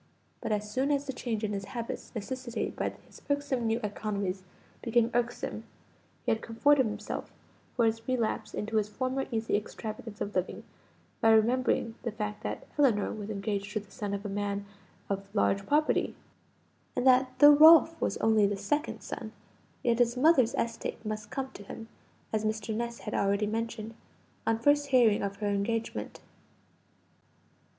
But as soon as the change in his habits, necessitated by his new economies, became irksome, he had comforted himself for his relapse into his former easy extravagance of living by remembering the fact that Ellinor was engaged to the son of a man of large property: and that though Ralph was only the second son, yet his mother's estate must come to him, as Mr. Ness had already mentioned, on first hearing of her engagement.